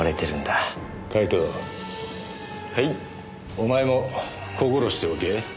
お前も心しておけ。